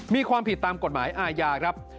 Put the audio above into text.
มีความผิดตามกฎหมายอาญาครับ